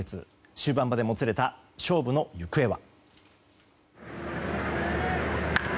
終盤までもつれた勝負の行方は。